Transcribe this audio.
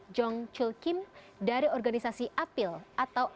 jong chil kim dari organisasi apil atau apil